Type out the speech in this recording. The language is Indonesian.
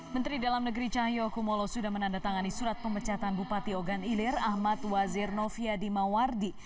menteri dalam negeri cahaya okumolo sudah menandatangani surat pemecatan bupati ogan ilir ahmad wazir noviadimawardi